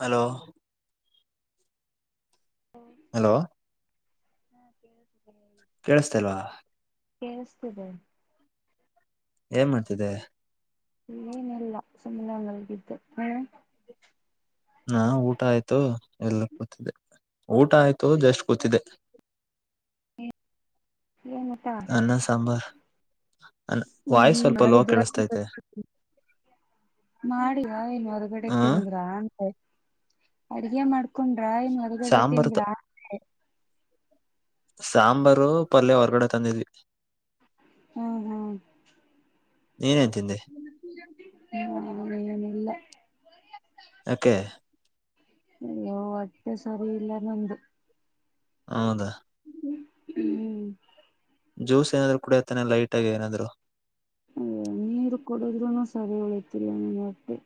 Hello hello ಹಾ ಕೇಳ್ತಿದೆ ಹೇಳಿ ಕೇಳಸ್ತಲ್ವಾ ಕೇಳಿಸ್ತಿದೆ ಏನ್ ಮಾಡ್ತಿದೆ ಏನೆಲ್ಲ ಸುಮ್ಮನೆ ಮಲಗಿದೆ ನೀನು ಹಾ ಊಟ ಆಯ್ತು ಇಲ್ಲೇ ಕೂತಿದೇ ಊಟ ಆಯ್ತು ಜಸ್ಟ್ ಕೂತಿದೇ ಏನ್ ಊಟ ಅನ್ನ ಸಾಂಬಾರ್ ಅ ಹ್ಮ್ ವಾಯ್ಸ್ ಹ್ಮ್ ಸ್ವಲ್ಪ ಲೋ ಮಾಡ ಕೇಳಿಸತೈತೆ ಮಾಡಿರ ಏನ್ ಹೊರಗಡೆ ಹ ತಿಂದ್ರ ಅಡಿಗೆ ಮಾಡ್ತ ಕೊಂಡ್ರ ಏನ್ ಹೊರಗಡೆ ಸಾಂಬಾರ್ ತಿಂದ್ರ ಸಾಂಬಾರು ಪಲ್ಯ ಹೊರ್ಗಡೆ ತಂದಿದ್ವಿ ಹ್ಮ ಹ್ಮ ನೀನ್ ಏನ ತಿಂದೆ ನಾನು ಏನು ಇಲ್ಲ ಯಾಕೆ ಅಯ್ಯೋ ಹೊಟ್ಟೆ ಸರಿ ಇಲ್ಲ ನಂದು ಹೌದಾ ಹ್ಮ್ ಜ್ಯೂಸ್ ಏನಾದ್ರು ಕುಡಿಯೋದ್ ತಾನೇ ಲೈಟ್ ಆಗಿ ಏನಾದ್ರು ಅಯ್ಯೋ ನೀರು ಕೊಡುದ್ರುನು ಸರಿ ಹೋಯ್ತಿಲ್ಲ ಹೊಟ್ಟೆ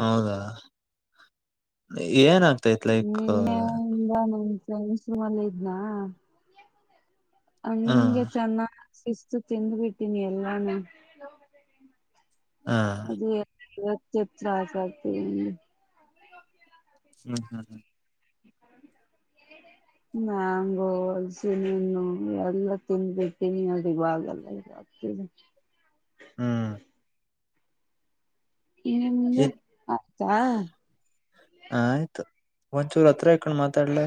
ಹೌದಾ [inaudible] ಏನ ಏನಾಯ್ತೆತೆ ಲೈಕ್ ನಿನ್ನೆಯಿಂದ ನನ್ ಫ್ರೆಂಡ್ಸ್ ರೂಮ್ ಅಲ್ಲಿ ಇದ್ನಾ ಹ ಹಂಗೆ ಚನ್ನ ಶಿಸ್ತು ತಿಂದು ಬಿಟ್ಟನಿ ಎಲ್ಲಾನು. ಹ್ಮ್ ಅದು. ತ್ತೆ ತ್ರಾಸ ಆಗ್ತಿದೆ ನಂಗೆ ಹ್ಮ್ ಹ್ಮ್ ಹ್ಮ್ ಮ್ಯಾಂಗೋ ಹಲಸಿನ ಹಣ್ಣು ಎಲ್ಲ ತಿಂದು ಬಿಡ್ತೀನಿ ಅದು ಇವಗೆಲ್ಲ ಇದು ಆಗ್ತಿದೆ. ಹ್ಮ್ ನಿಂದು ಏ ಮತ್ತ ಆ ಒಂಚೂರ್ ಹತ್ರ ಇಕೊಂಡ್ ಮಾತಾಡ್ಲೆ.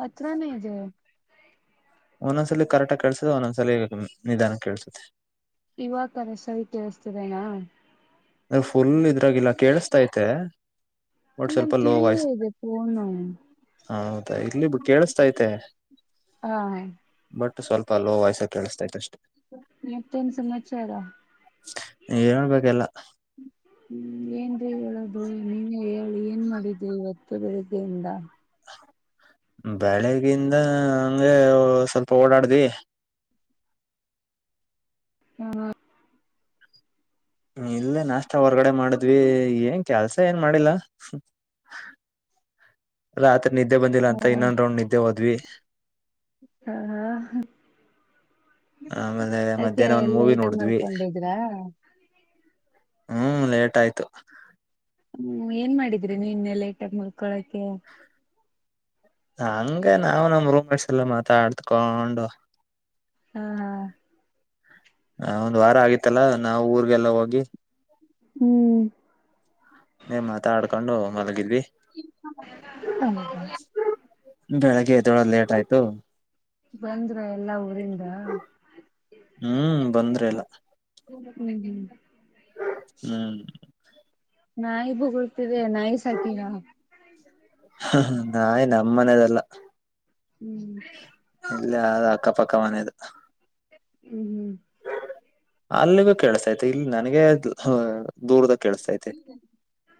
ಹತ್ರಾನೇ ಇದೇ. ಒಂದೊಂದ್ಸಲಿ ಕರೆಕ್ಟ್ಹಾಗಿ ಕೆಲ್ಸ ಒಂದೊಂದ್ಸಲಿ ನಿಧಾನ ಕೇಳಸುತ್ತೆ. ಇವಗ್ತಾನೆ ಸರಿ ಕೇಳಿಸ್ತಿದೆನಾ? ನ ಫುಲ್ ಇದ್ರಾಗಿಲ್ಲ ಕೇಳಸ್ತೈತೆ. ನನ್ ಕಿವಿಗೆ ಇದೆ ಪೋನು ಹೌದಾ ಇಲ್ಲಿ ಕೇಳಿಸತೈತೆ ಹಾ ಹಾ. ಬಟ್ ಸ್ವಲ್ಪ ಲೋ ವಾಯ್ಸ್ದಾಗ್ ಕೆಳಸ್ತೈತೇ ಅಷ್ಟೇ. ಮತ್ತೆ ಏನ ಸಮಾಚಾರ? ಹೇಳಬೇಕ ಎಲ್ಲ. ಹ್ಮ್ ಏನ್ರಿ ಹೇಳದು ನೀವೇ ಹೇಳಿ ಏನ್ ಮಾಡಿದ್ರಿ ಇವತ್ತು ಬೆಳಿಗ್ಗೆಯಿಂದ? ಬೆಳಗಿಂದ ಹಂಗೆ ಸ್ವಲ್ಪ ಓಡಾಡ್ದಿ. ಹ ಇಲ್ಲೇ ನಾಸ್ಟ್ ಹೊರಗಡೆ ಮಾಡಿದ್ವಿ ಎಂಗ್ ಕೆಲ್ಸ ಏನ್ ಮಾಡಿಲ್ಲ. ರಾತ್ರಿ ನಿದ್ದೆ ಬಂದಿಲ್ಲ ಅಂತ ಇನ್ನೊಂದ ರೌಂಡ್ ನಿದ್ದೆ ಹೋದ್ವಿ. [unintelligible] ಹ ಹಾ ಆಮೇಲೆ ಯಾಕೆ ಮಧ್ಯಾಹ್ನ ಒಂದ್ ಮೂವಿ ಲೇಟಾಗಿ ನೋಡುದ್ವಿ. ಮಲ್ಕೊಂಡಿದ್ರಾ ಹ್ಮ್ ಲೇಟ್ ಆಯ್ತು. ಹ್ಮ್ ಏನ್ ಮಾಡಿದ್ರಿ ನಿನ್ನೆ ಲೇಟ್ ಆಗಿ ಮುಲ್ಕೊಳಕ್ಕೆ? ಹಂಗ ನಾವು ನಮ್ಮ್ ರೂಮೆಟ್ಸ್ ಎಲ್ಲ ಮಾತಾಡ್ತ್ಕೊಂಡು. ಹಾ ಹ ಒಂದ್ ವಾರ ಆಗಿತ್ತಲ್ಲಾ ನಾವು ಊರಿಗೆಲ್ಲ ಹೋಗಿ. ಹ್ಮ್ ಮಾತಾಡ್ಕೊಂಡು ಮಲಗಿದ್ವಿ. ಹ್ಮ್ ಬೆಳಗ್ಗೆ ಎದ್ದೋಳದ್ ಲೇಟ್ ಆಯ್ತು. ಬಂದ್ರ ಎಲ್ಲಾ? ಊರಿಂದ ಹ್ಮ್ ಬಂದ್ರೆಲ್ಲ. ಹ್ಮ್ ನಾಯಿ ಬೊಗಳುತ್ತಿದೆ ನಾಯಿ ಸಾಕಿನ? ನಾಯಿ ನಮ್ಮನೆದಲ್ಲ. ಹ್ಮ್ ಇಲ್ಲ ಅ ಅಕ್ಕಪಕ್ಕ ಮನೆದು. ಹ್ಮ್ ಹ್ಮ್ ಅಲ್ಲಿ ಬ ಕೇಳಿಸೈತೆ ಇಲ್ಲಿ ನನಗೆ ಹ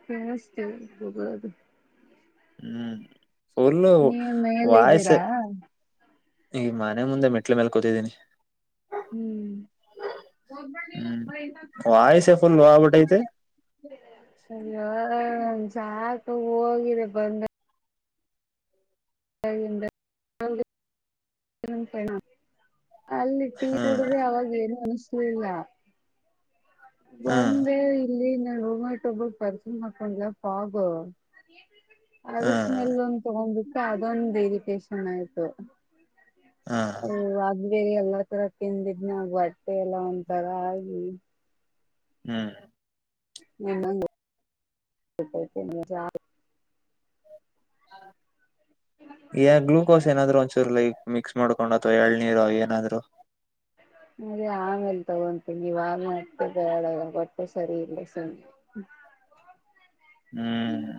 ಹ್ಮ ಅಷ್ಟತೇ ಗಬರದು ಹ್ಮ್ ಫುಲ್ ನೀವ್ ಮೇಲೆ ವಾಯ್ಸ ಇದ್ದೀರಾ ಈಗ ಮನೆ ಮುಂದೆ ಮೆಟ್ಲೆ ಮೇಲ್ ಕೂತಿದ್ದೀನಿ ಹ್ಮ್ ಅರಿ ಹ್ಮ್ ವಾಯ್ಸೆ ಫುಲ್ ಆಗ್ಬಿಟ್ಟೈತೆ ಸಾಕು ಹೋಗಿರ ಬಂದ ಹಗಿಂದ [unintelligible] ನ ಕಣ ಅಲ್ಲಿಟ್ಟ-ಟಿ ಹ್ಮ್ ಕುಡ್ರೆ ಅವ-ವಾಗ ಏನು ಅನಿಸತ ಸಳಲ್ಲ ಹ್ಮ್ ಒಂದೇ ಇಲ್ಲಿ ೋಮಟೋಬಲ್ ಪರಿಚು ಮಕ್ಕೊಂಡಲ್ಲ ಪಾಗ ಆಗಸ್ಟ್ ಹ್ಮ್ ನೆಲ್ ಒಂದು ತಗೊ್ಬೇಕಿು ಅದೊಂದು ಇರಿಟಷನ್ ಆಯ್ತು ಹ್ಮ್ ಓ ಅ ೇ ಎಲ್ಲಾ ತರ ಕಿಂದಿದ್ನ ಬಟ್ಟೆ ಎಲ್ಲ ಒ ತರ ಆಗಿ ಹ್ಮ್ ನಿಮ್ಮ ತಿ [unintelligible] ಹೌ [unintelligible] ಗ್ಲುೂಕೋಸ್ ಏನಾದ್ರು ಒಂದಚೂರು ಲೈಕ್ ಮಿಕ್ಸ್ ಮಾಡ್ಕೊಂಡ್ ಅಥವಾ ಎಳನೀರು ಏನಾದ್ೂ [inaudible] ಅದ ಆಮೇಲೆ ತಗೊಂತೀ ನೀ ವಾರತಳಗ ಗಟ್ಟೆ ಸರಿ ಇಲ್ಲ ಸುಮ್ಮ ಹ್ಮ್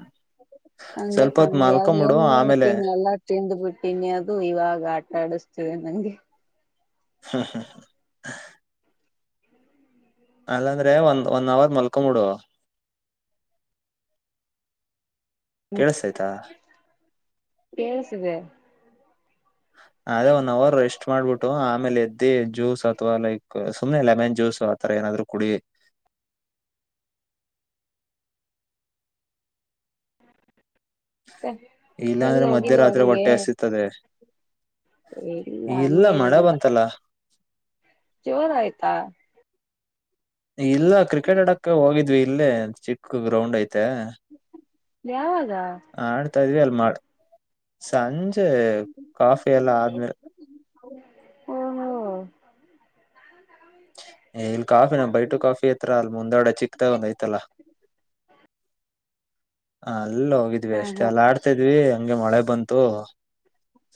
ಹಂಗೆ ಸ್ವಲ್ಪ ಹೊತ್ ಕಣ್ಣು ಮಲ್ಕಂಬಿಡು ಆಮೇಲೆ ತಿನ್ನಿ ಅದು ಇವಾಗ ಆಟ ಆಡಿಸ್ತಿದೆ ನಂಗೆ ಹ್ಮ ಹ ಅಲ್ಲಾಂದ್ರೆ ಒಂದ ಒನ್ ಅವರ್ ಮಲ್ಕೊಂ ಬುಡು ಕೇಳಸಯ್ತಾ ಕೇಳ್ಸಿದೆ ಅದೇ ಒನ್ ಅವರ್ ರೆಸ್ಟ್ ಮಾಡ್ಬಿಟ್ಟು ಆಮೇಲೆ ಎದ್ದಿ ಜ್ಯೂಸ್ ಅಥವಾ ಲೈಕ್ ಸುಮ್ನೆ ಲೆಮನ್ ಜ್ಯೂಸ್ ಅವಾ ರ ಏನಾದ್ರು ಕುಡಿ ಮತ್ತೆ ಇಲ್ಲಾ ಎಲ್ ಅಂದ್ರೆ ಮಧ್ಯ ಹೋಗಿಲ್ಲ ರಾತ್ರಿ ಹೊರಗೆ ಹೊಟ್ಟೆಸ್ ಇತದೆ ಇಲ್ಲ ಇಲ್ಲಾ ಮಳೆ ಬಂತಲ್ಲ ಜೋರ ಆಯ್ತಾ ಇಲ್ಲ ಕ್ರಿಕೆಟ್ ಆಡಕ್ ಹೋಗಿದ್ವಿ ಇಲ್ಲೇ ಚಿಕ್ಕ ಗ್ರೌಂಡ್ ಐತೆ. ಯಾವಾಗ ಆಡ್ತಾ ಇದ್ವಿ ಅಲ್ ಮಳ ಸಂಜೆ ಕಾಫಿ ಎಲ್ಲ ಆದ್ಮೇಲೆ. ಹೋ ಹೋ. ಏ ಇಲ್ಲಿ ಕಾಫಿನ ಬೈಟು ಕಾಫಿ ಹತ್ರ ಅಲ್ ಮುಂದಾಡೆ ಚಿಕ್ಕದಾಗೊಂದ್ಐತಲ್ಲ. ಹಾ. ಅಲ್ಲ ಹೋಗಿದ್ವಿ ಹಾ ಅಷ್ಟೇ ಹಾ ಅಲ್ಲ ಆಡ್ತಿದ್ವಿ ಹಂಗೆ ಮಳೆ ಬಂತು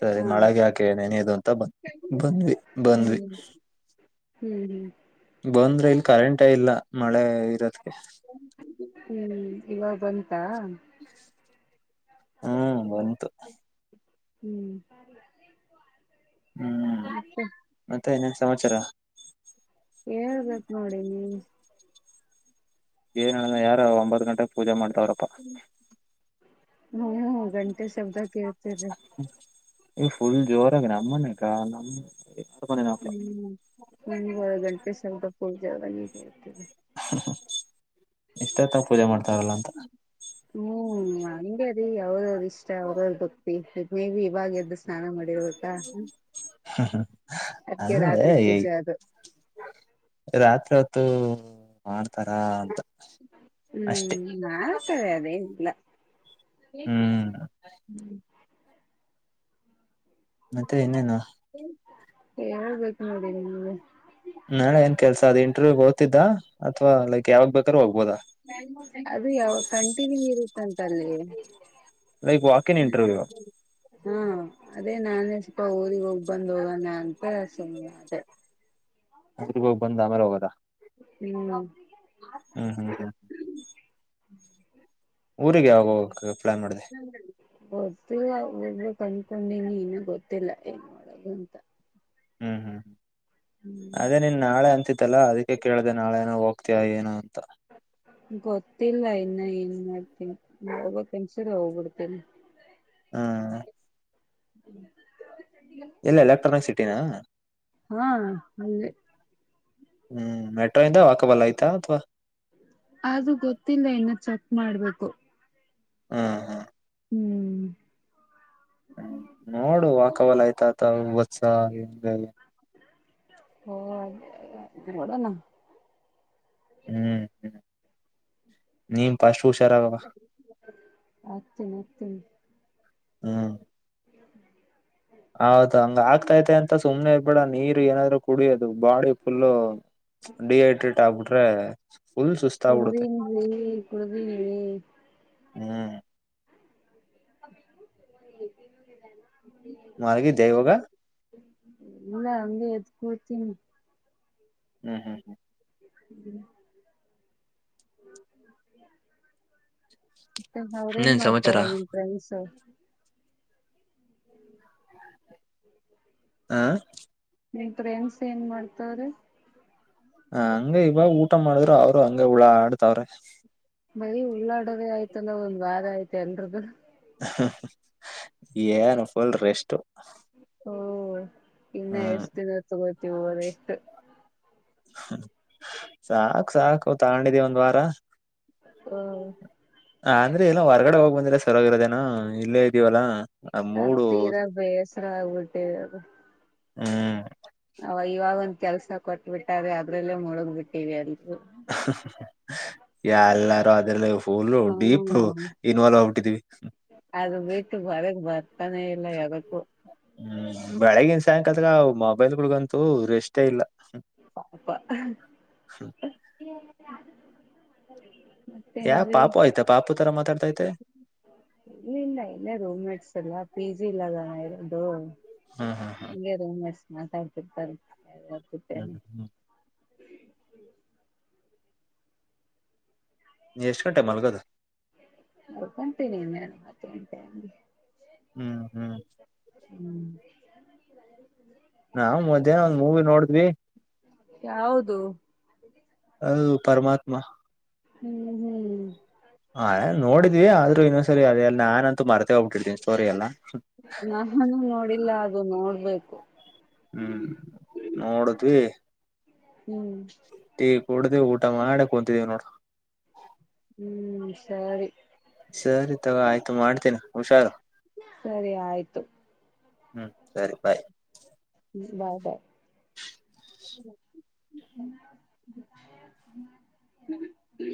ಸರಿ ಹಾ ಮಳೆಗ ಯಾಕೆ ನೆನೆಯೋದು ಅಂತ ಬಂದ ಬಂದ್ವಿ ಬಂದ್ವಿ ಹ್ಮ್ ಹ್ಮ್ ಹ್ಮ್ ಬಂದ್ರೆ ಇಲ್ಲಿ ಕರೆಂಟ್ ಇಲ್ಲ. ಮಳೆ ಇರೋದಕೆ. ಹೂ ಇವಾಗಂತ. ಹೂ ಬಂತು. ಹೂ. ಹೂ ಮತ್ತೆನ. ಸಮಾಚಾರ. ಹೇಳ್ಬೇಕು ನೋಡಿ ನೀವು. ಏನ್ ಹೇಳ ಯಾರೋ ಒಂಬತ್ತು ಗಂಟೆಗೆ ಪೂಜೆ ಮಾಡ್ತಾವ್ರಪ್ಪಾ. ಹೂ ಗಂಟೆ ಶಬ್ದಕ್ಕೆ ಕೇಳ್ತು. ಸರಿ. [unintelligible] ಫುಲ್ ಜೋರಾಗ ನಮ್ಮನಗ ನಮ್ಮ. ಹೂ ಹೂ. ಏಳು ಗಂಟೇಗೆ ಶಕ ಪೂಜಾ ಅಂದಂಗೆ ಹುಹು ಈಸ್ಟ್ ಹೊತ್ತು ಪೂಜೆ ಮಾಡ್ತಾರಲ್ಲ ಅಂತ. ಹ್ಮ್ ಹಂಗೆ ಅವ್ರವ್ರ ಇಷ್ಟ ಅವ್ರವ ಭಕ್ತಿ ಮೇ ಬಿ ಇವಾಗ ಎದ್ದು ಸ್ನಾನ ಮಾಡಿರ್ಬೇಕಾ. ಹೂ ಹೂ. ಹಾ ಅದಕ್ಕೆ ರಾತ್ರಿ ಹೇ ಪೂಜೆ ಅದು ರಾತ್ರಿ ಹೊತ್ತು ಮಾಡ್ತಾರ ಅಂತ ಅಷ್ಟೆ. ಹ್ಮ್ ಮಾಡ್ತಾರೆ ಅದೇನಿಲ್ಲ ಹೂ ಮತ್ತ ಇನ್ನೇನು. ಹಳ್ಬೇಕು ನೋಡಿ ನೀವು ನಾಳೆ ಏನ್ ಕೆಲ್ಸ ಅದು ಇಂಟರ್ವ್ಯೂ ಓದ್ತಿದ್ದ. ಅಥವಾ ಲೈಕ್ ಯಾವಾಗ ಬೇಕಾರ ಹೋಗ್ಬೋದಾ. ಅಂತಲ್ಲಿ ಲೈಕ್ ವಾಕಿನ್ ಇಂಟರ್ವ್ಯೂ ಹಾ. ಅದೇ ನಾನೇ ಸ್ವಲ್ಪ ಊರಿಗೆ ಹೋಗಿ ಬಂದ್ ಹೋಗೋಣ ಅಂತ ಸುಮ್ನ ಅದೇ. ಊರಿಗ್ ಹೋಗಿ ಬಂದ ಆಮೇಲೆ ಹೋಗದ. ಹ್ಮ್. ಹ್ಮ್ ಹ್ಮ್ ಹ್ಮ್. ಹ್ಮ. ಊರಿಗೆ ಯಾವಾಗ ಹೋಗಕ್ ಪ್ಲಾನ್ ಮಾಡಿದೆ ಗೊತ್ತಿಲ್ಲ ಹೋಗ್ಬೇಕ್ ಅನ್ಕೊಂಡೀನಿ ಇನ್ನು ಗೊತ್ತಿಲ್ಲ ಏನ್ ಮಾಡದು ಅಂತ ಹ್ಮ್ ಹ್ಮ್ ಹ್ಮ ಅದೇ ನೀನ್ ನಾಳೆ ಅಂತಿದ್ದೆ ತ್ತಲ್ಲ ಅದಕ್ಕೆ ಕೇಳ್ದೆ ನಾಳೆ ನೋ ಹೋಗ್ತಯಾ ಏನ ಅಂತ ಗೊತ್ತಿಲ್ಲ ಇನ್ನ ಏನ್ ಮಾಡೋದು ಹೋಗ್ಬೇಕ ಅನ್ಸಿದ್ರೆ ಹೋಗ್ಬಿಡ್ತೇನೆ ಹ್ಮ್ ಹ್ಮ ಇಲ್ಲ ಎಲೆಕ್ಟ್ರಾನಿಕ್ ಸಿಟಿನ ಹಾ ಅಲ್ಲೆ ಹ್ಮ್ ಮೆಟ್ರೋ ಇಂದ ವಾಕಬಲ್ಲ ಆಯ್ತಾ ಅಥವಾ ಅದು ಗೊತ್ತಿಲ್ಲ [unintelligible] ಮಾಡ್ಬೇಕು ಹ್ಮ ಹ ಹ್ಮ್ ಹ್ಮ ನೋಡು ವಾಕ್ [unintelligible] ಕಬಲ್ ಆಯ್ತಾ ಆ [unintelligible] ಬಸ್ಸ ಹ ನೋಡಣ ಹ್ಮ್ ನೀ [unintelligible] ಅಚ್ಚೆ ಅತ್ತೆ [unintelligible] ಹ್ಮ ಹೌದ ಹಂಗ ಹಾಕ್ತೈತೆ ಅಂತ ಸುಮ್ನೆ ಇರ್ಬೇಡ ನೀರ್ ಏನಾದ್ರು ಕುಡಿಯೋದು ಬಾಡಿ ಫುಲ್ಲ ಡಿಹೈಡ್ರೇಟ್ ಆಗ್ಬಿಟ್ರೆ ಫುಲ್ ಸುಸ್ತ ಕುಡವ ಆಗ್ಬಿಡುತ್ತೆ [unintelligible] ಕುಡವೀನಿ ಹ್ಮ್ ಮಲಗಿದೆ ಈವಾಗ ಇಲ್ಲ ಅಂದ [unintelligible] ಎದ ಕೂತಿನಿ ಹ್ಮ್ ಹ್ಮ್ ಹ್ಮ್ ಹ್ಮ್ ಹ [unintelligible] ಅವರೇನು ಇನ್ನೇನ್ ಸಮಾಚಾರ ಮಾಡ್ತಾರಾರೆ ನಿಮ್ ಫ್ರೆಂಡ್ಸ್ ಹಾ ನಮ್ ಫ್ರೆಂಡ್ಸ್ ಏನ್ ಮಾಡತಾವ್ರೆ ಹ ಹಂಗ ಇವಾಗ ಊಟ ಮಾಡಿದ್ರರು ಅವ್ರು ಹಂಗ ಉಳ ಆಡ್ತವ್ರ ಬರೀ ಉಳ್ಳಾಡೋದೇ ಆಯ್ತಂದ ಒಂದ್ ವಾದ ಆಯ್ತೆ ಎಲ್ರದದು ಏನು ಫುಲ್ ರೆಸ್ಟ್ ಹ್ಮ ಇನ್ನು ಹ್ಮ್ ಎಷ್ಟ ದಿನ ತಗೋತೀವಿರ ಎಷ್ಟು ಸಾಕ್ು ಸಾಕು ತಗೊಂಡಿದೀ ಒಂದ್ ವಾರ ಹ್ಮ ಹ ಅಂದ್ರೆ ಇಲ್ಲ ಹೊರ್ಗಡೆ ಹೋಗ್ ಬಂದಿ್ರ ಸರಾಗಿರೋದೇನ ಇಲ್ಲೇ ಇದೀವಲ್ಲಾ ಆ ತೀರ ಬೇಸರ ಉಊಟೆ ಅ ಹ್ಮ್ ಅವಾಗ ಇವಾಗ ಒಂದ ಕೆಲಸ ಕೊಟ್ಬಿಟ್ಟ್ರೆ ಅದ್ರಲ್ಲೇ ಮುಳುಗ್ ಬಿಟ್ಟಿವವಿ ಅಲ್ ಎಲ್ಲಾರು ಅದೆಲ್ಲ ಇ ಪೋಲ್ ಡೀಪ್ ಹ್ಮ್ ಇನ್ವಾಲ್ವ್ ಆಗ್ಬಿಟ್ಟಿದೀವಿ ತಾನೇ ಇಲ್ಲ ಯ್ದಕ್ಕೂ ಹ್ಮ್ ಬೆಳಗನ್ ಸಾಯಂಕಾಲದ ಮೊಬೈಲ್ ಗಂತೂ ರೆಷ್ಟೇ ಇಲ್ಲ ಪಪಾ [inaudible] ಯಾ ಪಾಪ ಆಯ್ತಾ ಪಾಪ ಇಲ್ಲ ಇಲ್ಲ ಇಲ್ಲೇ ರೂಮ ಮೇಟ್ಸ್ ಎಲ್ಲ ಪಿ ಜಿ ಇಲ್ಲದ ಆದು ಹ್ಮ್ ಹ್ಮ್ ಇಗೆ ಮಸ್ ನಾತಾಯ್ತಿರ್ತಾರೆ ಹ್ಮ್ ಎಟ್ಟನೆ ಹ್ಮ್ ಹ್ಮ್ ನೀ ಎಷ್ಟುಂೆ ಮಲಗದು ಕಂತ ನೀ ಮತ ಹ್ಮ್ ಹ್ಮ್ ಹ್ಮ್ ಹ ನಾವವು ಮಧ್ಯಾಹ್ನ ಒಂದ್ ಮೂವಿ ನೋಡಿದ್ವಿ ಯೌದು ಹೌದು ಪರಮಾತ್ಮ ಹ್ಮ್ ಹ್ಮ್ ಹಾ ನೋಡಿದ್ವಿ ಆದ್ರೂ ಇನ್ನೊಂದ್ಸರಿ ಅದೆೇಲ್ಲ ನಾನನ್ಂತೂ ಮರ್ತೆ ಹೋಗ್ಬಿಟ್ಟಿರ್ತೀನಿ ಸ್ಟೋರಿ ಎಲ್ಲ ನಾನು ನೋಡಿಲ್ಲ ಅದು ನೋಡ್ಬೇಕು ಹ್ಮ್ ನೋಡಿದ್ವಿ ಹ್ಮ್ ಕೊಡ್ದ್ ಊಟ ಮಾಡಕ್ ಕುಂತಿದ್ದೀವಿ ನೋಡ ಹ್ಮ್ ಸರಿ ಸರಿ ತಗ ಆಯ್ತು ಮಾಡ್ ಸರಿ ಆಯ್ತು. ಹ್ಮ್, ಸರಿ ಬಾಯ್. [unintelligible] ಬಾಯ್ ಬಾಯ್. ್ಮ [unintelligible]